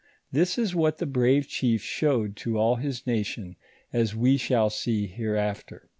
This ia what the bravo chief showed to all his nation, as wo shall see hereafter.